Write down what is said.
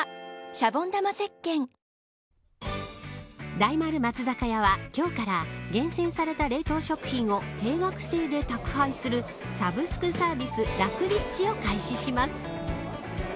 大丸松坂屋は今日から厳選された冷凍食品を定額制で宅配するサブスクサービスラクリッチを開始します。